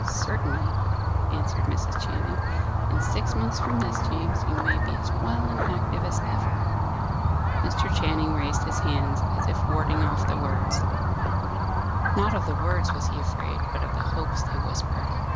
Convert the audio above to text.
"Certainly," answered Mrs. Channing. "In six months from this, James, you may be as well and active as ever." Mr. Channing raised his hands, as if warding off the words. Not of the words was he afraid, but of the hopes they whispered.